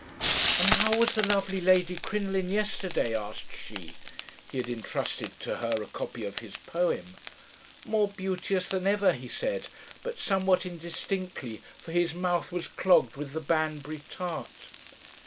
"'And how was the lovely Lady Crinoline yesterday?' asked she. He had entrusted to her a copy of his poem. "'More beauteous than ever,' he said, but somewhat indistinctly, for his mouth was clogged with the Banbury tart.